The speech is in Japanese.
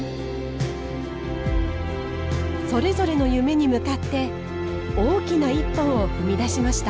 それぞれの夢に向かって大きな一歩を踏み出しました。